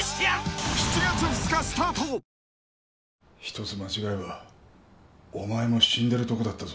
一つ間違えばお前も死んでるとこだったぞ。